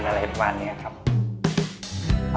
อะไรประมาณนี้ครับ